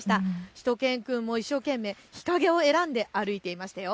しゅと犬くんも一生懸命日陰を選んで歩いていましたよ。